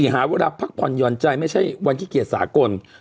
๔หารักพรรคยอนใจไม่ใช่วันขี้เกียจสากล